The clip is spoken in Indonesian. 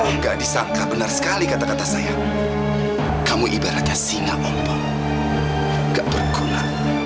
nggak disangka benar sekali kata kata saya kamu ibaratnya singa omong gak berguna